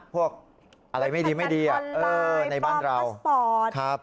ปลอมแปลงพาสปอร์ต